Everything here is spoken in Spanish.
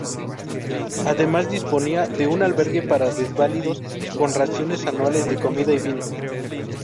Además, disponía de un albergue para desvalidos, con raciones anuales de comida y vino.